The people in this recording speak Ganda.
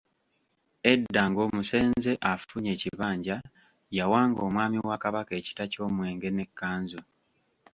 Edda ng’omusenze afunye ekibanja yawanga Omwami wa Kabaka ekita ky’Omwenge n’e Kkanzu.